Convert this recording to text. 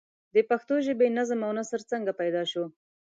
د پښتو ژبې نظم او نثر څنگه پيدا شو؟